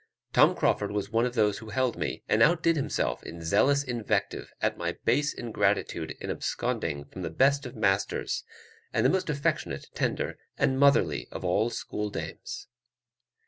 Tom Crauford was one of those who held me, and outdid himself in zealous invective at my base ingratitude in absconding from the best of masters, and the most affectionate, tender, and motherly of all school dames.